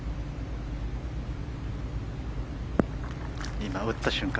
今打った瞬間